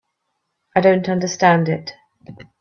I don't understand it.